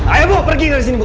ayo bu pergi dari sini bu